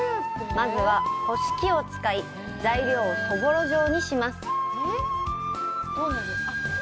まずは、こし器を使い材料をそぼろ状にします。